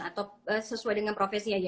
atau sesuai dengan profesi aja